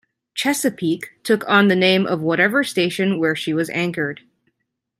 "Chesapeake" took on the name of whatever station where she was anchored.